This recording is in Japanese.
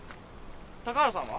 高原さんは？